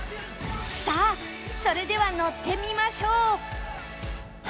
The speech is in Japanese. さあそれでは乗ってみましょう！